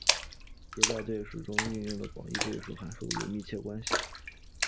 迭代对数和中用到的广义对数函数有密切关系。